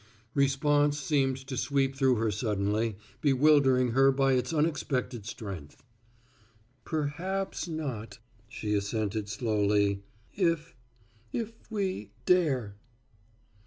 Response seemed to sweep through her suddenly, bewildering her by its unexpected strength. "Perhaps not," she assented slowly, "if if we dare."